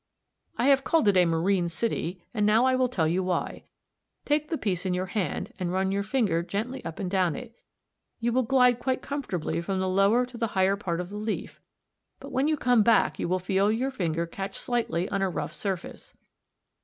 I have called it a "marine city," and now I will tell you why. Take the piece in your hand and run your finger gently up and down it; you will glide quite comfortably from the lower to the higher part of the leaf, but when you come back you will feel your finger catch slightly on a rough surface.